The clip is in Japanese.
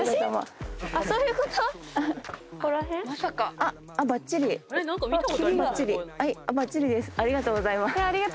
ありがとうございます。